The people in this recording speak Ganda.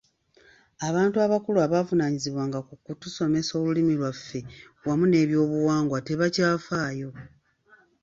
Abantu abakulu abavuunaanyizibwanga ku kutusomesa olulimi lwaffe wamu n'ebyobuwangwa tebakyafaayo.